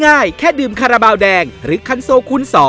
ง่ายแค่ดื่มคาราบาลแดงหรือคันโซคูณ๒